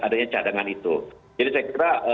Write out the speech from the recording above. adanya cadangan itu jadi saya kira